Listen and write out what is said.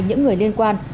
những người liên quan